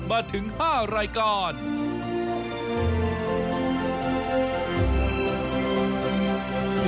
มาถึง๕รายการ